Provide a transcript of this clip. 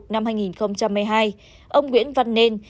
năm hai nghìn một mươi hai ông nguyễn văn nên